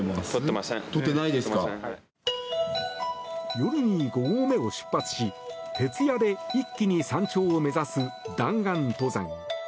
夜に５合目を出発し徹夜で一気に山頂を目指す弾丸登山。